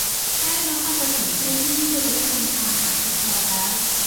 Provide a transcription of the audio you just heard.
แค่นครปฐมเส้นที่ไม่มีรถประจำทางผ่านก็ท้อแล้ว